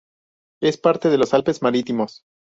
Es parte de los Alpes Marítimos.